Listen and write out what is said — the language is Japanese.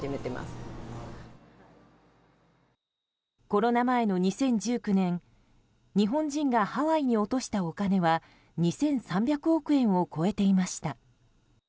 コロナ前の２０１９年日本人がハワイに落としたお金は２３００億円を超えていました。